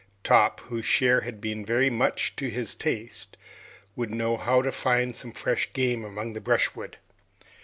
Top, whose share had been very much to his taste, would know how to find some fresh game among the brushwood.